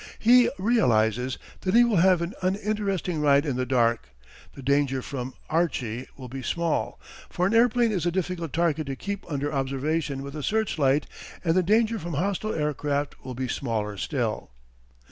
He realizes that he will have an uninteresting ride in the dark; the danger from "Archie" will be small, for an airplane is a difficult target to keep under observation with a searchlight, and the danger from hostile aircraft will be smaller still.